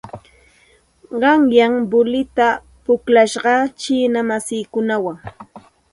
Qanyan voleyta awasarqaa chiina masiikunawan.